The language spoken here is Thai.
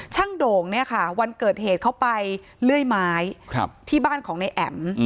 โด่งเนี่ยค่ะวันเกิดเหตุเขาไปเลื่อยไม้ที่บ้านของนายแอ๋ม